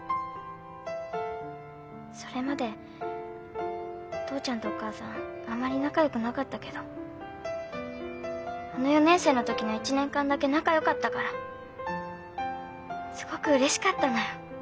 それまでお父ちゃんとお母さんあまり仲よくなかったけどあの４年生の時の１年間だけ仲よかったからすごくうれしかったのよ。